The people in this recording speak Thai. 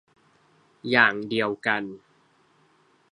อย่างเดียวกัน